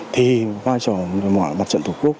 thì vai trò mặt trận tổ quốc